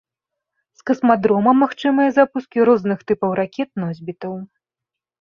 З касмадрома магчымыя запускі розных тыпаў ракет-носьбітаў.